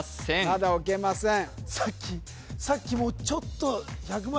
まだ置けません